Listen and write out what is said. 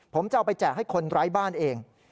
ผมจะเอาไปแจกให้คนไร้บ้านเอง